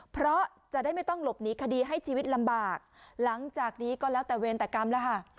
เพราะจะได้ไม่ต้องหลบหนีคดีให้ชีวิตลำบากหลังจากนี้ก็แล้วแต่เวรแต่กรรมแล้วค่ะ